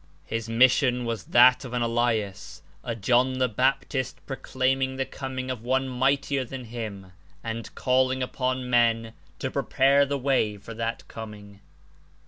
His mission was that of an Ellas, a John the Baptist proclaiming the coming of one mightier than him and calling upon men to prepare the way for that Coming.